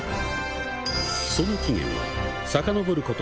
その起源はさかのぼること